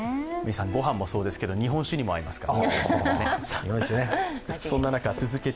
ごはんもそうですけど、日本酒にも合いますから。